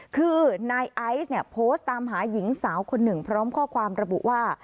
คือนายไอซ์เนี่ยโพสต์ตามหาหญิงสาวคนหนึ่งพร้อมข้อความระบุว่า